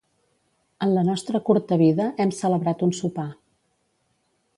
En la nostra curta vida, hem celebrat un sopar.